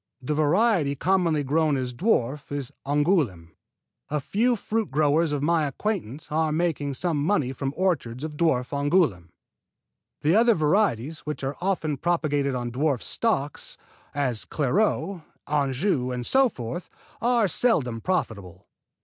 The variety commonly grown as dwarf is Angouleme. A few fruit growers of my acquaintance are making some money from orchards of dwarf Angouleme. The other varieties which are often propagated on dwarf stock as Clairgeau, Anjou and so forth, are seldom profitable.